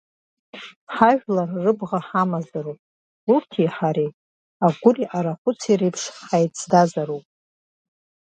Ҳажәлар рыбӷа ҳамазароуп, урҭи ҳареи агәыри арахәыци реиԥш ҳаиҵдазароуп…